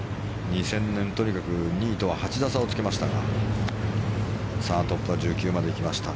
２０００年、とにかく２位と８打差つけましたがトップは１９に来ました。